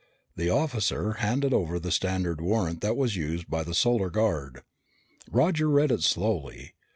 The officer handed over the standard warrant that was used by the Solar Guard. Roger read it slowly.